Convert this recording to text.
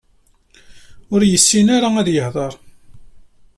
Ur yessin ara ad ihder.